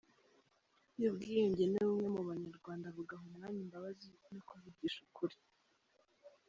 yubwiyunge nubumwe mu banyarwanda, bugaha umwanya imbabazi no kuvugisha ukuri.